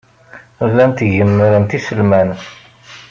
Llant gemmrent iselman.